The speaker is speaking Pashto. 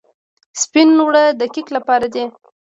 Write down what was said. سپین اوړه د کیک لپاره دي.